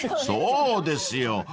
［そうですよ